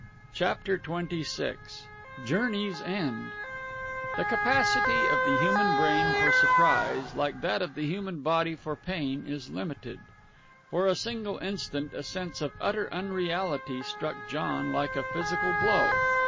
CHAPTER XXVI JOURNEY'S END The capacity of the human brain for surprise, like that of the human body for pain, is limited. For a single instant a sense of utter unreality struck John like a physical blow.